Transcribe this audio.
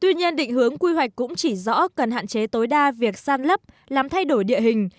tuy nhiên định hướng quy hoạch cũng chỉ rõ cần hạn chế tối đa việc san lấp làm thay đổi địa hình